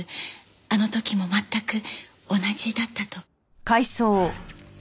あの時も全く同じだったと。